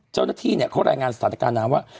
เจ้าหน้าที่เนี่ยเขารายงานสถานการณ์นะว่า